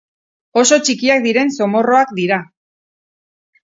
Oso txikiak diren zomorroak dira.